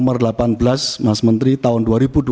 mas menteri tahun dua ribu dua puluh dua